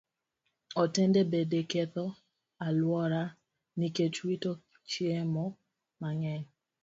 Otende bende ketho alwora nikech wito chiemo mang'eny.